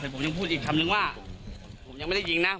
ผมสักปีเนี่ยไม่ได้ยิงนะ